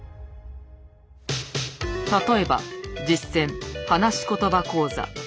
例えば「実践・はなしことば講座」。